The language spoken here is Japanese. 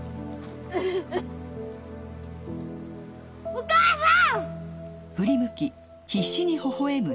お母さん！